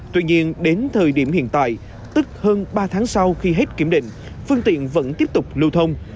tuy nhiên đến thời điểm hiện tại tức hơn ba tháng sau khi hết kiểm định phương tiện vẫn tiếp tục lưu thông